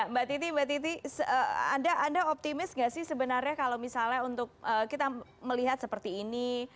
mbak titi mbak titi anda optimis nggak sih sebenarnya kalau misalnya untuk kita melihat seperti ini